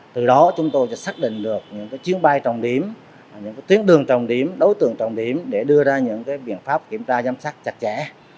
từ đó chúng tôi sẽ xác định được những chiến bay trọng điểm những tuyến đường trọng điểm đối tượng trọng điểm để đưa ra những biện pháp kiểm tra giám sát chặt chẽ